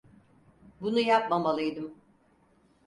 Bunu yapmamalıydım.